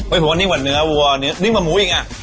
โอ้โหนิ่งแบบเนื้อวัวนิ่งแบบหมูอีกอ่ะ